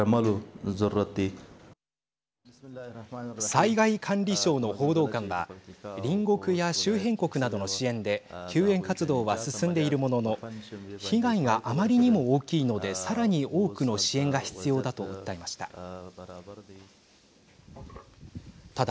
災害管理省の報道官は隣国や周辺国などの支援で救援活動は進んでいるものの被害があまりにも大きいのでさらに多くの支援が必要だと訴えました。